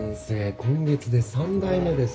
今月で３台目です